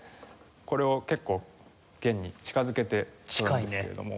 これを結構弦に近づけて録るんですけれども。